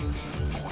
これ。